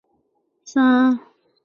非法收受他人给予的财物